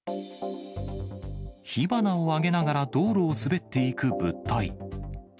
火花を上げながら道路を滑っていく物体。